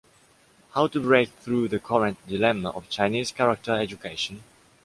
How to break through the current dilemma of Chinese character education?